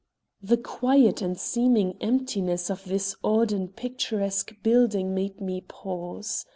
The quiet and seeming emptiness of this odd and picturesque building made me pause.